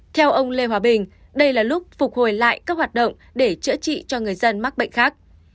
theo ông lê hòa bình đây là lúc phục hồi lại các hoạt động để chữa trị cho người dân mắc bệnh khác